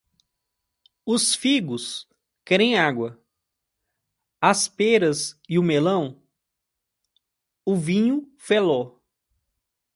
Os figos querem água; as pêras e o melão, o vinho felló.